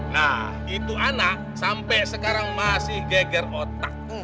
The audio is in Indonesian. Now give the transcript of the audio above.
nah itu anak sampai sekarang masih geger otak